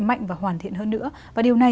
mạnh và hoàn thiện hơn nữa và điều này